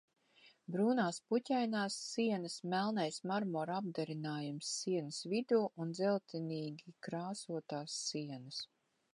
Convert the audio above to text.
Brūnās puķainās sienas, melnais "marmora" apdarinājums sienas vidū un dzeltenīgi krāsotās sienas.